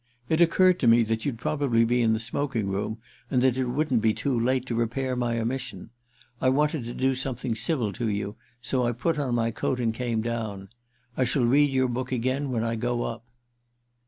It occurred to me that you'd probably be in the smoking room and that it wouldn't be too late to repair my omission. I wanted to do something civil to you, so I put on my coat and came down. I shall read your book again when I go up."